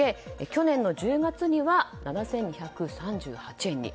去年の１０月には７２３８円に。